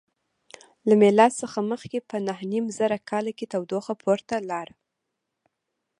له میلاد څخه مخکې په نهه نیم زره کال کې تودوخه پورته لاړه.